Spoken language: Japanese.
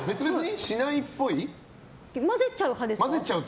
混ぜちゃう派ですか？